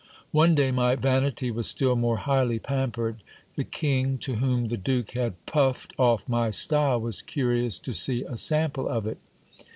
One day my vanity was still more highly pampered. The king, to whom the duke had puffed off my style, was curious to see a sample of it.